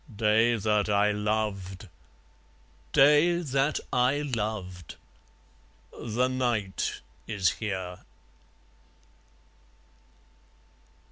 . Day that I loved, day that I loved, the Night is here!